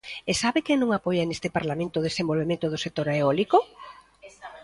¿E sabe quen non apoia neste Parlamento o desenvolvemento do sector eólico?